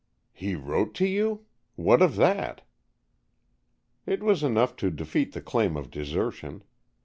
"He wrote to you! What of that?" "It was enough to defeat the claim of desertion.